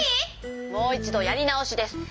もういちどやりなおしです。